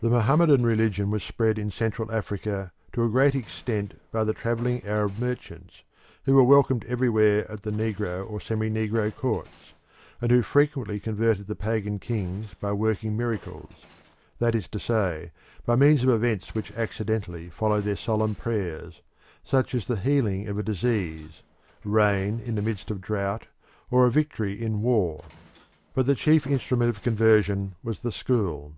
The Mohammedans in Central Africa The Mohammedan religion was spread in Central Africa to a great extent by the travelling Arab merchants, who were welcomed everywhere at the negro or semi negro courts, and who frequently converted the pagan kings by working miracles that is to say, by means of events which accidentally followed their solemn prayers, such as the healing of a disease, rain in the midst of drought, or a victory in war. But the chief instrument of conversion was the school.